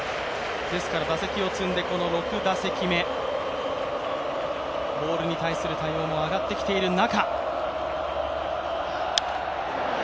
打席を摘んで、この６打席目、ボールに対する対応も上ってきている中。